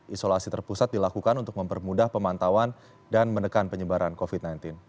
isolasi terpusat dilakukan untuk mempermudah pemantauan dan menekan penyebaran covid sembilan belas